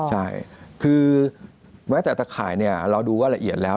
ใช่คือแม้แต่ตะข่ายเนี่ยเราดูว่าละเอียดแล้ว